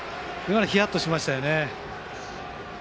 ヒヤッとしましたよね。